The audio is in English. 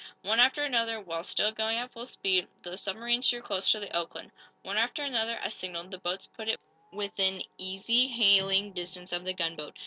One after another, while still going at full speed, the submarines drew close to the "Oakland." One after another, as signaled, the boats put in within easy hailing distance of the gunboat.